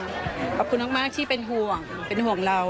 ขอบคุณมากที่เป็นห่วงเป็นห่วงเรา